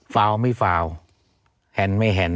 ฟาวน์ไม่ฟาวน์แฮนด์ไม่แฮนด์